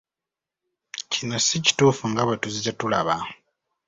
Kino si kituufu nga bwe tuzze tulaba.